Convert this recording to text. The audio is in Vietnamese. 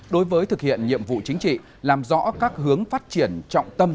đối với thực hiện nhiệm vụ chính trị làm rõ các hướng phát triển trọng tâm